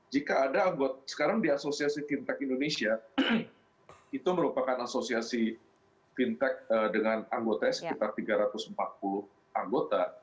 jika ada anggota sekarang di asosiasi fintech indonesia itu merupakan asosiasi fintech dengan anggotanya sekitar tiga ratus empat puluh anggota